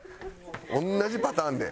同じパターンで。